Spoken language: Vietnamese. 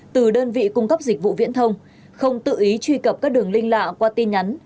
từ đơn vị cung cấp dịch vụ viễn thông không tự ý truy cập các đường linh lạ qua tin nhắn